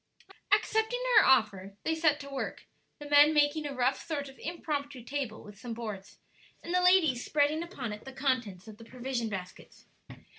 Accepting her offer, they set to work, the men making a rough sort of impromptu table with some boards, and the ladies spreading upon it the contents of the provision baskets.